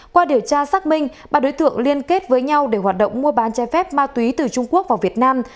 qua điều tra xác minh ba đối tượng liên kết với nhau để hoạt động mua bán chai phép ma túy từ trung quốc vào việt nam